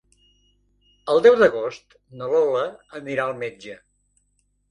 El deu d'agost na Lola anirà al metge.